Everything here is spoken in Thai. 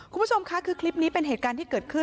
คุณผู้ชมค่ะคือคลิปนี้เป็นเหตุการณ์ที่เกิดขึ้น